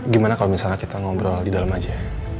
gimana kalau misalnya kita ngobrol di dalam aja